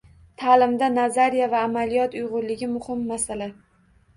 Ta’limda nazariya va amaliyot uyg‘unligi muhim masala